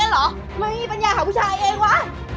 รู้มั้ยไม่มีปัญญาของผู้ชายเองวะ